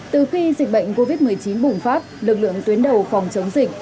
từ khi dịch bệnh covid một mươi chín bùng phát lực lượng tuyến đầu phòng chống dịch